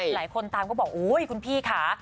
หลายคนตามก็บอกอุ๊ยคุณพี่ค่ะ